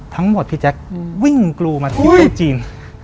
ทั้งหมดพี่แจ็ควิ่งกลูมาที่โต๊ะจีน